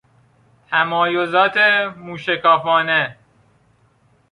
تمایزات موشکافانه